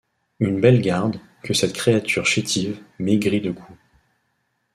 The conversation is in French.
Une belle garde, que cette créature chétive, maigrie de coups!